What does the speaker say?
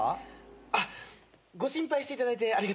あっご心配していただいてありがとうございます。